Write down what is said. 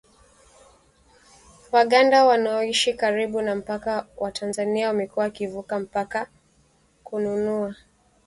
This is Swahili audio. Waganda wanaoishi karibu na mpaka wa Tanzania wamekuwa wakivuka mpaka kununua